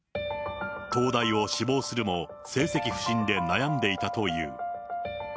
東大を志望するも、成績不振で悩んでいたという。